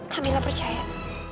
kak mila percaya